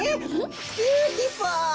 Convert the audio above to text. ビューティフォ！